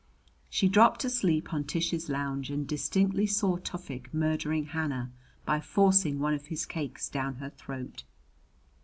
She dropped asleep on Tish's lounge and distinctly saw Tufik murdering Hannah by forcing one of his cakes down her throat.